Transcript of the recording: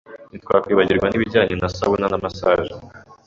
Ntitwakwibagirwa n’ibijyanye na sauna na massage,